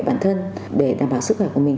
bản thân để đảm bảo sức khỏe của mình